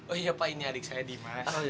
oh iya pak ini adik saya dimas